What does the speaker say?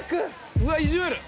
うわ意地悪。